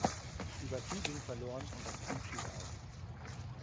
Die Partie ging verloren und das Team schied aus.